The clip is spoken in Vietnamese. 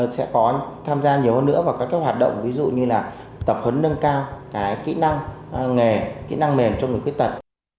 sẽ có tham gia nhiều hơn nữa vào các hoạt động ví dụ như là tập hấn nâng cao kỹ năng nghề kỹ năng mềm cho người khuyết tật